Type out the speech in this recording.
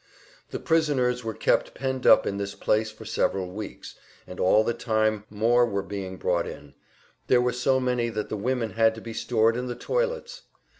The prisoners were kept penned up in this place for several weeks, and all the time more were being brought in; there were so many that the women had to be stored in the toilets.